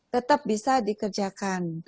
tetap bisa dikerjakan